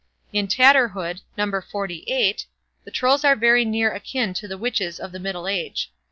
In "Tatterhood", No. xlviii, the Trolls are very near akin to the witches of the Middle Age.